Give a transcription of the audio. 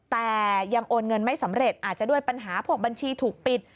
แต่ยังโอนเงินไม่สำเร็จอาจจะด้วยปัญหาพวกบัญชีถูกปิด